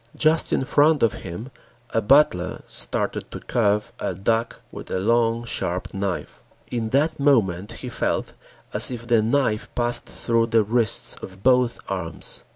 Just in front of him a butler started to carve a duck with a long, sharp knife. In that moment he felt as if the knife passed through the wrists of both arms.